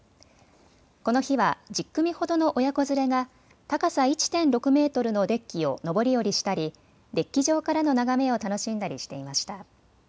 この日は１０組ほどの親子連れが高さ１．６メートルのデッキを上り下りしたり、デッキ上からの眺めを楽しんだりしていました。